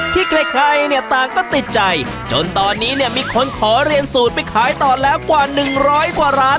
ใครเนี่ยต่างก็ติดใจจนตอนนี้เนี่ยมีคนขอเรียนสูตรไปขายต่อแล้วกว่าหนึ่งร้อยกว่าร้าน